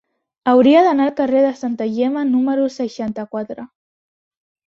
Hauria d'anar al carrer de Santa Gemma número seixanta-quatre.